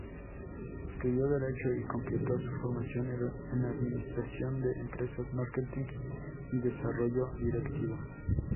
Estudio Derecho y completó su formación en administración de empresas, marketing y desarrollo directivo.